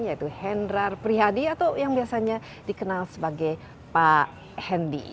yaitu hendrar prihadi atau yang biasanya dikenal sebagai pak hendy